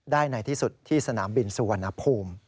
ในที่สุดที่สนามบินสุวรรณภูมิ